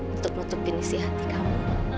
untuk nutupin isi hati kamu